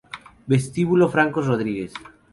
Vestíbulo Francos Rodríguez